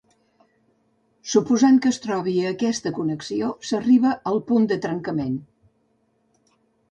Suposant que es trobi aquesta connexió, s'arriba al punt de trencament.